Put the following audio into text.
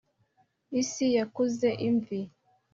isi yakuze imvi